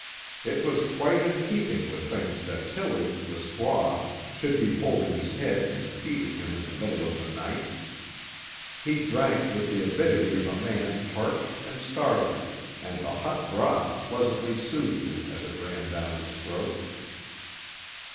It was quite in keeping with things that Tilly, the squaw, should be holding his head and feeding him in the middle of the night. He drank with the avidity of a man parched and starving, and the hot broth pleasantly soothed him as it ran down his throat.